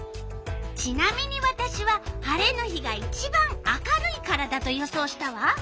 ちなみにわたしは晴れの日がいちばん明るいからだと予想したわ。